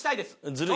ずるい。